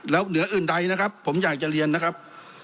แล้วเหนืออื่นใดนะครับผมอยากจะเรียนนะครับ